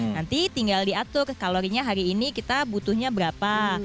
nanti tinggal diatur kalorinya hari ini kita butuhnya berapa